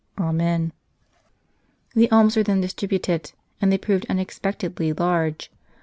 Amen." * The alms were then distributed, and they proved unex pectedly large.